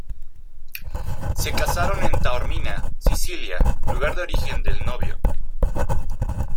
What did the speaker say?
Se casaron en Taormina, Sicilia, lugar de origen del novio.